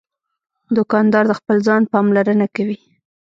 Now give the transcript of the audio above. دوکاندار د خپل ځان پاملرنه کوي.